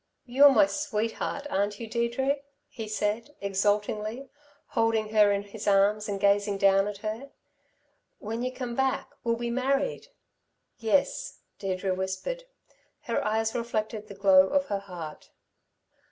"You're my sweetheart, aren't you, Deirdre?" he said exultingly, holding her in his arms and gazing down at her. "When you come back we'll be married." "Yes," Deirdre whispered. Her eyes reflected the glow of her heart.